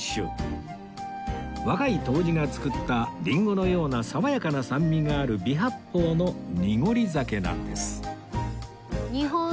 若い杜氏が造ったリンゴのような爽やかな酸味がある微発泡の濁り酒なんです